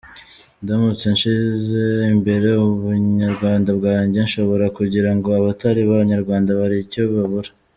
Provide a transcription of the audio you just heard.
Ndamutse nshyize imbere ubunyarwanda bwanjye, nshobora kugira ngo abatari abanyarwanda hari icyo babura.